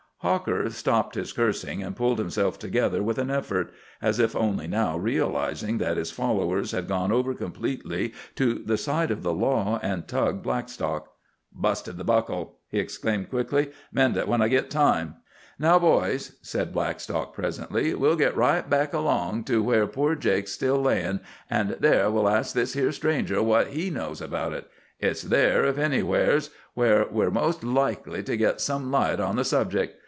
Hawker stopped his cursing and pulled himself together with an effort, as if only now realizing that his followers had gone over completely to the side of the law and Tug Blackstock. "Busted the buckle," he explained quickly. "Mend it when I git time." "Now, boys," said Blackstock presently, "we'll git right back along to where poor Jake's still layin', and there we'll ask this here stranger what he knows about it. It's there, if anywheres, where we're most likely to git some light on the subject.